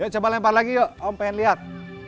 coba lempar lagi yuk om pengen lihat